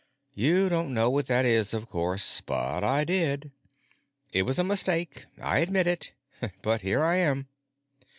You don't know what that is, of course, but I did. It was a mistake, I admit it. But here I am."